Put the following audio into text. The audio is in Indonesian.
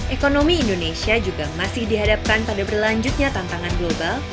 ekonomi indonesia juga masih dihadapkan pada berlanjutnya tantangan global